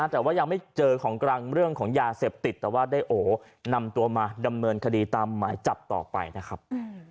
แต่ว่ายังไม่เจอของกลางเรื่องของยาเสพติดแต่ว่าได้โอนำตัวมาดำเนินคดีตามหมายจับต่อไปนะครับ